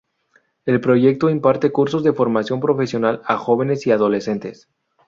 El proyecto imparte cursos de formación profesional a jóvenes y adolescentes.